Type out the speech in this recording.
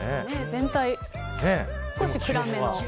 全体、少し暗めの。